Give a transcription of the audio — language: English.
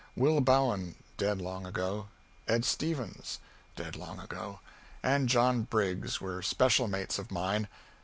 Will Bowen (dead long ago), Ed Stevens (dead long ago) and John Briggs were special mates of mine.